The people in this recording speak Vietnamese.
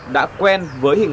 đã quen với những người hàn quốc